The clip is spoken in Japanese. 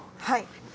はい。